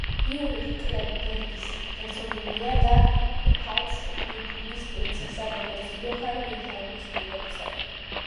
იულიხ-კლევ-ბერგის ჰერცოგინია და პფალც-ნოიბურგის პრინცესა როგორც იოჰან ვილჰელმის პირველი ცოლი.